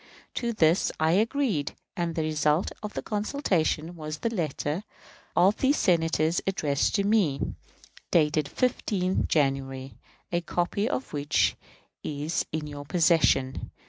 To this I agreed, and the result of the consultation was the letter of these Senators addressed to me, dated 15th January, a copy of which is in your possession.